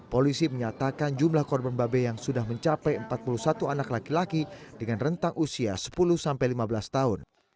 polisi menyatakan jumlah korban babe yang sudah mencapai empat puluh satu anak laki laki dengan rentang usia sepuluh lima belas tahun